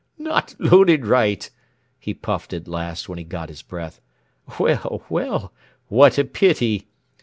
"Not loaded right?" he puffed at last when he got his breath. "Well, well, what a pity!